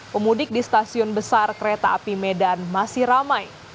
pemudik di stasiun besar kereta api medan masih ramai